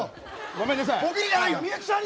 ごめんなさい！